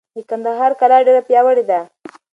د کندهار کلا ډېره پیاوړې وه.